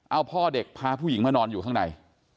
เอาพ่อเด็กพาผู้หญิงมานอนอยู่ข้างใน